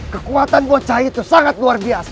kekuatan gua chai itu sangat luar biasa